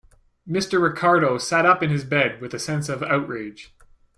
Mr. Ricardo sat up in his bed with a sense of outrage.